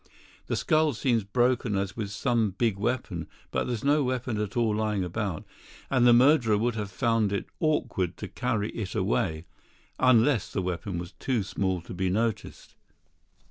The skull seems broken as with some big weapon, but there's no weapon at all lying about, and the murderer would have found it awkward to carry it away, unless the weapon was too small to be noticed."